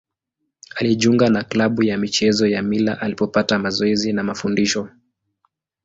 Alijiunga na klabu ya michezo ya Mila alipopata mazoezi na mafundisho.